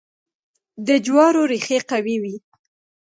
د جوارو ریښې قوي وي.